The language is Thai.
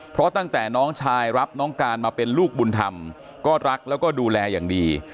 เพราะตั้งแต่น้องชายรับน้องการมาเป็นลูกบุญธรรมก็รักแล้วก็ดูแลอย่างดี